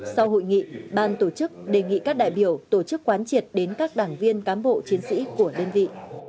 sau hội nghị ban tổ chức đề nghị các đại biểu tổ chức quán triệt đến các đảng viên cán bộ chiến sĩ của đơn vị